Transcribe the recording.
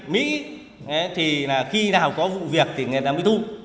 mỹ thì khi nào có vụ việc thì người ta mới thu